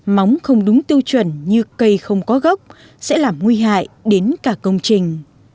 móng không đúng tiêu chuẩn như cây không có gốc sẽ làm nguy hại đến cả công trình